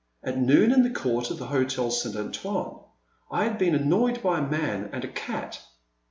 At noon, in the court of the Hotel St. Antoine, I had been annoyed by a man and a cat.